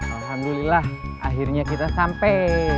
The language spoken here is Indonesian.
alhamdulillah akhirnya kita sampe